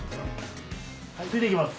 ついていきます。